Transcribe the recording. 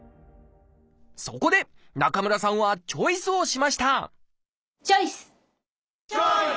そこで中村さんはチョイスをしましたチョイス！